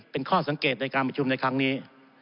เป็นข้อสังเกตในการประชุมในครั้งนี้